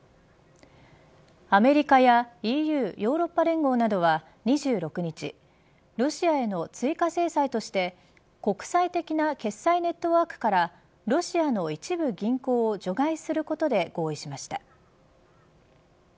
アメリカやＥＵヨーロッパ連合などは２６日ロシアへの追加制裁として国際的な決済ネットワークからロシアの一部銀行を除外することで合意しました。